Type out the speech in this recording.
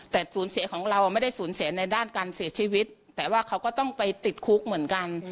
แต่สูญเสียของเราไม่ได้สูญเสียในด้านการเสียชีวิตแต่ว่าเขาก็ต้องไปติดคุกเหมือนกัน